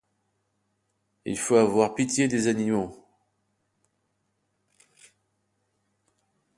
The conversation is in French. Il faut avoir pitié des animaux.